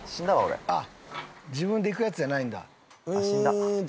自分でいくやつじゃないんだ